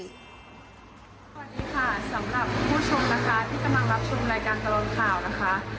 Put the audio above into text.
สวัสดีค่ะสำหรับผู้ชมนะคะที่กำลังรับชมรายการตลอดข่าวนะคะ